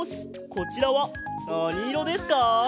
こちらはなにいろですか？